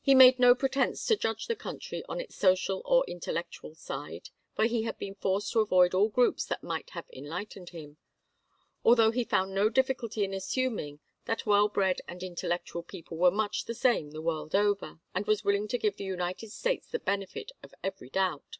He made no pretence to judge the country on its social or intellectual side, for he had been forced to avoid all groups that might have enlightened him although he found no difficulty in assuming that well bred and intellectual people were much the same the world over, and was willing to give the United States the benefit of every doubt.